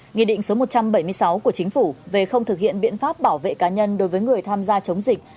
nghị định số một trăm bảy mươi sáu của chính phủ về không thực hiện biện pháp bảo vệ cá nhân đối với người tham gia chống dịch